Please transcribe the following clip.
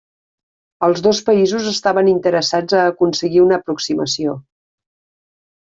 Els dos països estaven interessats a aconseguir una aproximació.